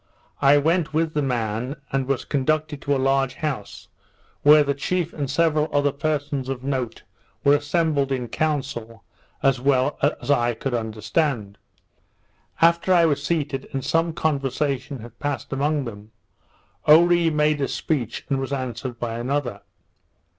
I went with the man, and was conducted to a large house, where the chief and several other persons of note were assembled in council, as well as I could understand. After I was seated, and some conversation had passed among them, Oree made a speech, and was answered by another.